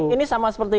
ini sama seperti